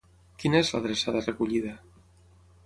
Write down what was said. Quina és l'adreça de recollida?